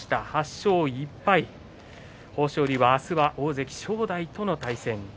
８勝１敗豊昇龍、明日は大関正代との対戦。